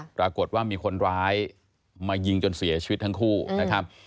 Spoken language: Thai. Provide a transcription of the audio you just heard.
ปรากฏว่ามีคนร้ายมายิงจนเสียชีวิตทั้งคู่นะครับ